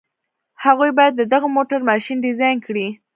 هغوی بايد د دغه موټر ماشين ډيزاين کړي.